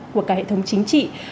của cả hệ thống chính trị